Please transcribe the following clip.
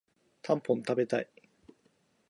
たんぽん食べたい